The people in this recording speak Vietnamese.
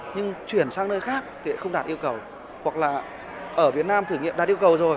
nhưng chuyển sang nơi khác thì không đạt yêu cầu hoặc là ở việt nam thử nghiệm đạt yêu cầu rồi